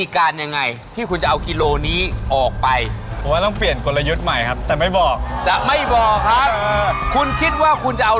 ใครใจพี่สัตว์ใครใจพี่สัตว์